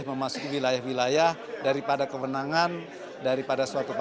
tapi kita jeda terlebih dahulu